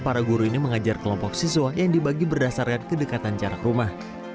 para guru ini mengajar kelompok siswa yang dibagi berdasarkan kedekatan jarak rumah